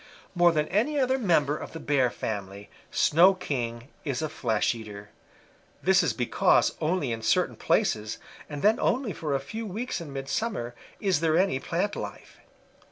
"More than any other member of the Bear family, Snow King is a flesh eater. This is because only in certain places, and then only for a few weeks in midsummer, is there any plant life.